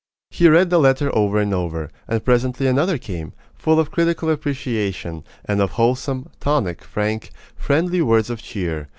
He read the letter over and over, and presently another came, full of critical appreciation, and of wholesome, tonic, frank, friendly words of cheer.